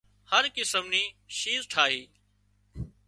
هر قسم نِي شِيز ٺاهِي